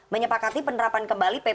menyepakati penerapan kembali ppk